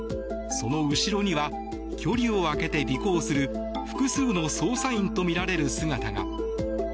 その後ろには距離を空けて尾行する複数の捜査員とみられる姿が。